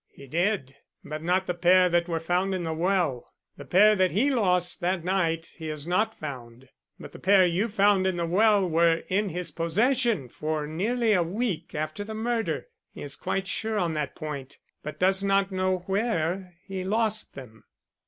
"He did, but not the pair that were found in the well. The pair that he lost that night he has not found, but the pair you found in the well were in his possession for nearly a week after the murder. He is quite sure on that point, but does not know where he lost them."